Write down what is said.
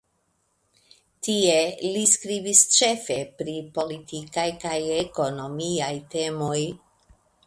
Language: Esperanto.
Tie li skribis ĉefe pri politikaj kaj ekonomiaj temoj.